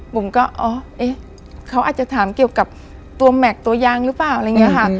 บุ๋มก็เขาอาจจะถามเกี่ยวกับตัวแม็กซ์ตัวยางหรือเปล่า